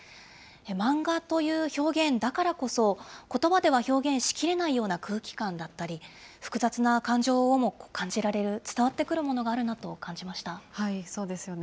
漫画という表現だからこそ、ことばでは表現しきれないような空気感だったり、複雑な感情をも感じられる、伝わってくるものがあるなと感じましそうですよね。